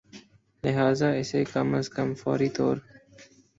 لہذا اسے کم از کم فوری طور